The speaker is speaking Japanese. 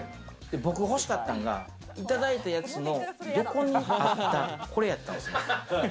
僕、欲しかったんが、いただいたやつの横にあった、これやったんすよ。